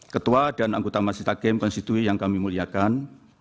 ketua dan anggota masjid hakem konstitu yang kami muliakan